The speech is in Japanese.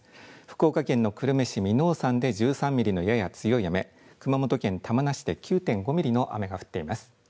福岡県の久留米市耳納山で１３ミリのやや強い雨熊本県玉名市で９．５ミリの雨が降っています。